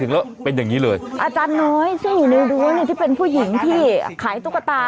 เดี๋ยวดูนี่ที่เป็นผู้หญิงที่ขายตุ๊กตา